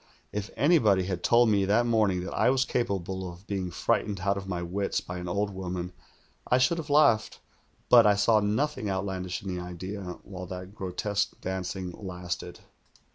If anybody had told me tliat morning THE GHOUL 131 that I was capable of being frightened out of my wits by an old woman, I should have laughed; but I saw nothing outlandish in the idea while that gro tesque dancing lasted.